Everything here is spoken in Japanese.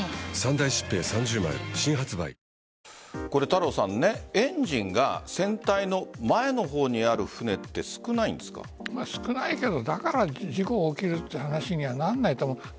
太郎さん、エンジンが船体の前の方にある船って少ないけどだから事故が起きるという話にはならないと思う。